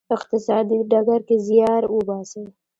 اقتصادي ډګر کې زیار وباسی.